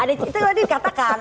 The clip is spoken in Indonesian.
itu tadi katakan